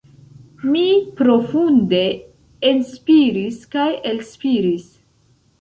Mi profunde enspiris kaj elspiris.